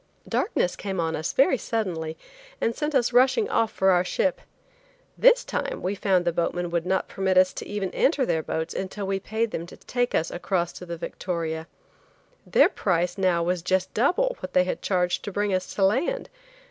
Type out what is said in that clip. Darkness came on us very suddenly and sent us rushing off for our ship. This time we found the boatman would not permit us even to enter their boats until we paid them to take us across to the Victoria. Their price now was just double what they had charged to bring us to land.